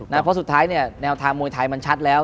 เพราะสุดท้ายเนี่ยแนวทางมวยไทยมันชัดแล้ว